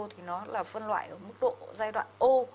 thì nó là phân loại ở mức độ giai đoạn o